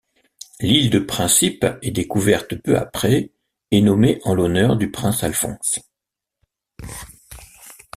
L'île de Principe est découverte peu après, et nommée en l'honneur du prince Alphonse.